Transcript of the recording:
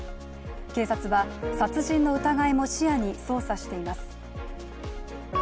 警察は殺人の疑いも視野に捜査しています。